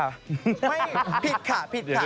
ไม่ผิดค่ะผิดค่ะ